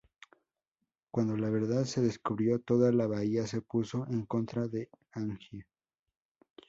Cuando la verdad se descubrió toda la bahía se puso en contra de Angie.